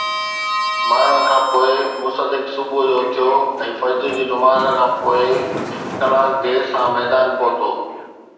مرڻ کان پوءِ، مصدق صبح جو اٿيو ۽ فجر جي نماز کان پوءِ هڪ ڪلاڪ دير سان ميدان پهتو.